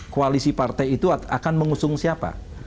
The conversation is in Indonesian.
koalisi partai itu akan mengusung siapa